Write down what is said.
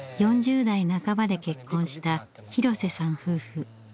４０代半ばで結婚した廣瀬さん夫婦。